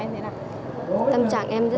lúc đấy tâm trạng em thế nào